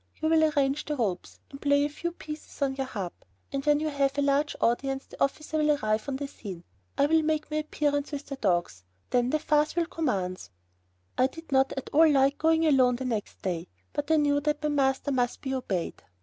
You will arrange the ropes, and play a few pieces on your harp, and when you have a large audience the officer will arrive on the scene. I will make my appearance with the dogs. Then the farce will commence." I did not at all like going alone the next day, but I knew that my master must be obeyed.